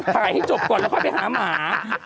ให้จบก่อนแล้วค่อยไปหาหมา